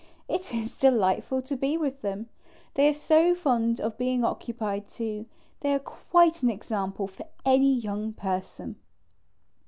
It is delightful to be with them ; they are so fond of being occupied too ; they are quite an example for any young person.